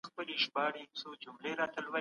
هيوادونو خپل نړيوال سياست پرمخ بوتاوه.